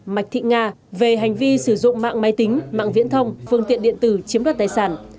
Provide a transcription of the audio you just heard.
mạch thị nga về hành vi sử dụng mạng máy tính mạng viễn thông phương tiện điện tử chiếm đoạt tài sản